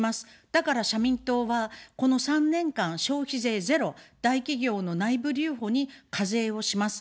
だから、社民党は、この３年間消費税ゼロ、大企業の内部留保に課税をします。